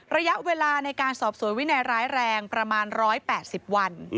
ระยะเวลาในการสอบสวนวินัยร้ายแรงประมาณ๑๘๐วัน